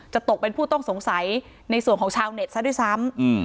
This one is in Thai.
ตกเป็นผู้ต้องสงสัยในส่วนของชาวเน็ตซะด้วยซ้ำ